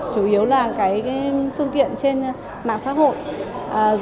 chủ yếu là phương tiện trên mạng xã hội